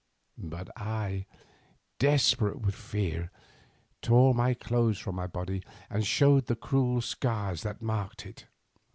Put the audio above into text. But I, desperate with fear, tore my clothes from my body and showed the cruel scars that marked it.